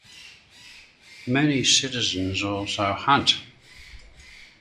Many citizens also hunt.